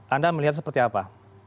anda melihat seperti apa